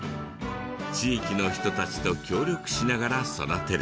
地域の人たちと協力しながら育てる。